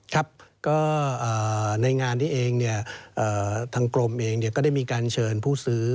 ครับก็ในงานนี้เองทางกรมเองก็ได้มีการเชิญผู้ซื้อ